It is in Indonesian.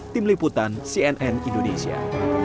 tim liputan cnn indonesia